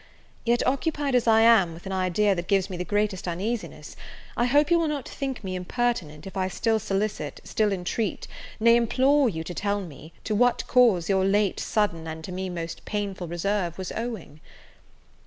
Yet, occupied as I am, with an idea that gives me the greatest uneasiness, I hope you will not think me impertinent, if I still solicit, still intreat, nay implore, you to tell me, to what cause your late sudden, and to me most painful, reserve was owing?"